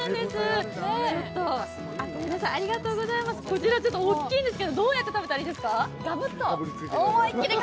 こちら、大きいんですけど、どうやって食べたらいいですか？